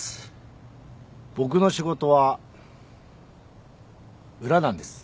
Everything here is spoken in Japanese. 僕の仕事は裏なんです